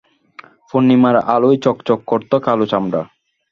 পূর্নিমার আলোয় চকচক করত কালো চামড়া।